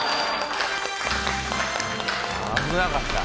危なかった。